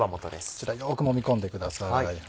こちらよくもみ込んでください。